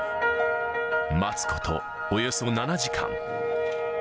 待つことおよそ７時間。